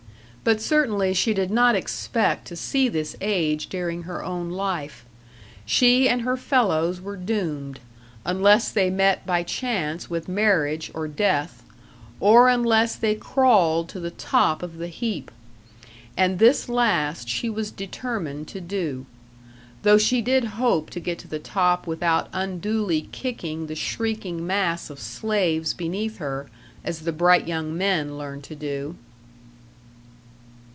But certainly she did not expect to see this age during her own life. She and her fellows were doomed, unless they met by chance with marriage or death; or unless they crawled to the top of the heap. And this last she was determined to do. Though she did hope to get to the top without unduly kicking the shrieking mass of slaves beneath her, as the bright young men learned to do.